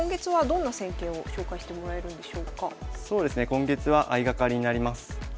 今月は相掛かりになります。